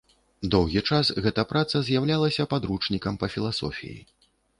Доўгі час гэта праца з'яўлялася падручнікам па філасофіі.